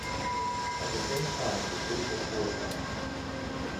At the same time, the city was fortified.